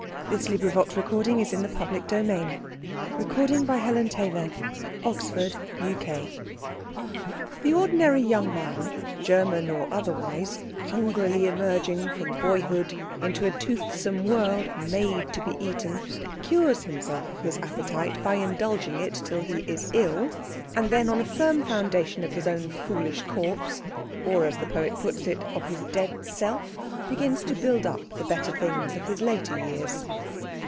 And this poem was, at that very moment, as she well knew, in Herr Klutz's waistcoat pocket. CHAPTER XXII The ordinary young man, German or otherwise, hungrily emerging from boyhood into a toothsome world made to be eaten, cures himself of his appetite by indulging it till he is ill, and then on a firm foundation of his own foolish corpse, or, as the poet puts it, of his dead self, begins to build up the better things of his later years.